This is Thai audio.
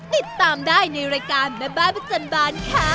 ติดตามได้ในรายการแม่บ้านประจำบานค่ะ